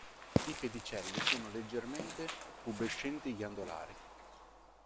I pedicelli sono leggermente pubescenti-ghiandolari.